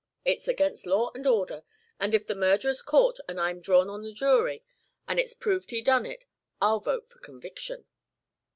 It's against law and order, and if the murderer's caught and I'm drawn on the jury, and it's proved he done it, I'll vote for conviction."